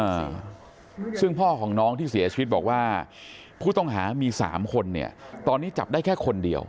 อ่าซึ่งพ่อของน้องที่เสียชีวิตบอกว่าผู้ต้องหามีสามคนเนี่ยตอนนี้จับได้แค่คนเดียว